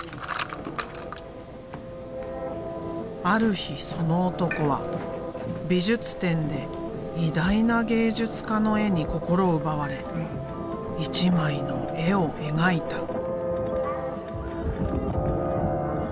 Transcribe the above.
ある日その男は美術展で偉大な芸術家の絵に心奪われ一枚の絵を描いた。